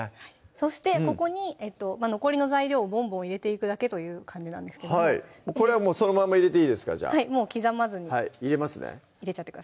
そしてここに残りの材料をぼんぼん入れていくだけという感じなんですけどもこれはもうそのまま入れていいですかじゃあ刻まずにはい入れますね